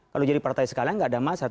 kalau jadi partai sekalian nggak ada masalah